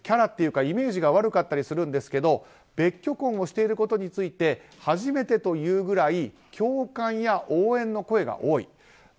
キャラというかイメージが悪かったりするんですけど別居婚をしていることについて初めてというぐらい共感や応援の声が多い。